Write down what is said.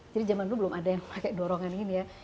jadi zaman dulu belum ada yang pakai dorongan ini ya